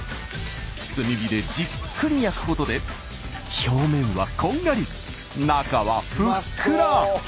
炭火でじっくり焼くことで表面はこんがり中はふっくら。